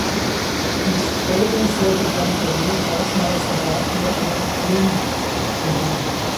Die später sehr bekannte Ruth Hausmeister gab hier ihr Filmdebüt.